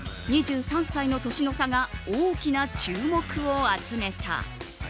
２３歳の年の差が大きな注目を集めた。